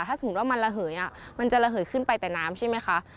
ถ้าสมมุติว่ามันระเหยมันจะระเหยขึ้นไปแต่น้ำใช่ไหมคะ